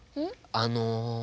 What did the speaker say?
あの。